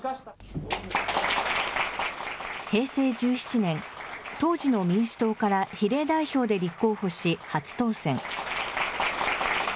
平成１７年、当時の民主党から比例代表で立候補し、初当選。